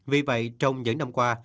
vì vậy trong những năm qua